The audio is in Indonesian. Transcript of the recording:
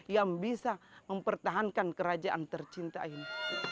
yang bisa mempertahankan kerajaan tercinta ini